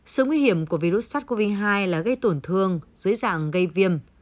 sự nguy hiểm của virus sars cov hai là gây tổn thương dưới dạng gây viêm